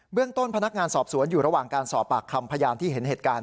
เรื่องต้นพนักงานสอบสวนอยู่ระหว่างการสอบปากคำพยานที่เห็นเหตุการณ์